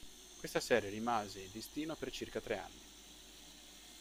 Questa serie rimase in listino per circa tre anni.